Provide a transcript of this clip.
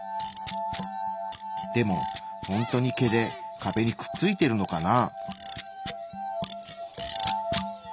でもホントに毛で壁にくっついてるのかな？